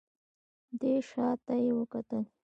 دی شا ته يې وکتل.